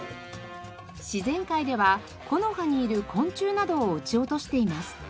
自然界では木の葉にいる昆虫などを撃ち落としています。